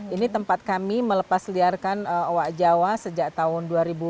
ini tempat kami melepasliarkan owa jawa sejak tahun dua ribu tiga belas